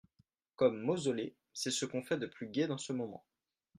Comme mausolée, c’est ce qu’on fait de plus gai dans ce moment.